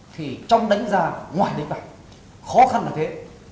thì trong đánh giá ngoài đánh bằng khó khăn là thế